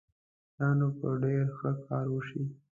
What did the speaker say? دا نو به ډېر ښه کار وشي